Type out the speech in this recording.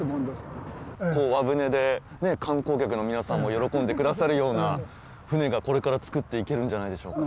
こう和船で観光客の皆さんも喜んでくださるような船がこれから作っていけるんじゃないでしょうか。